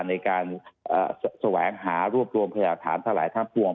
ในการแสวงหารวบรวมขยะฐานสหร่ายท่านปวง